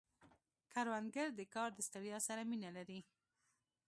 کروندګر د کار د ستړیا سره مینه لري